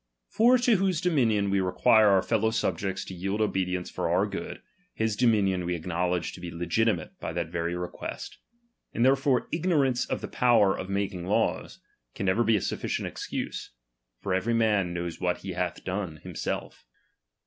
For to whose dominion we require our fellow subjects to yield obedience for our good, his dominion we acknowledge to be legitimate by that very request. And therefore ignorance of the power of making laws, can never be a sufficient excuse ; for every man knows what he hath done himself.